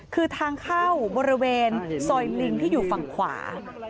คือทางเข้าบริเวณซอยลิงที่อยู่ฝั่งขวา